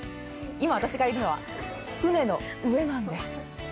今、私がいるのは船の上なんです。